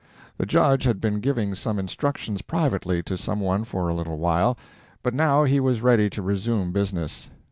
The judge had been giving some instructions privately to some one for a little while, but now he was ready to resume business.